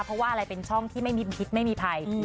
เพราะว่าอะไรเป็นช่องที่ไม่มีพิษไม่มีภัย